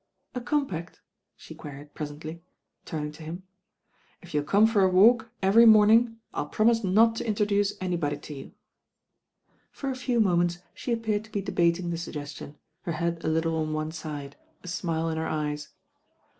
^JA compact?" she queried presently, turning to "If you'll come for a walk every morning, I'll promise not to mtroduce anybody to you." For a few moments she appeared to be debating the suggestion, her head a little on one side, a smile m ner eyes.